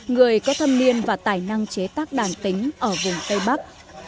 người có thâm niên và tài năng chế tác đàn tính ở vùng tây bắc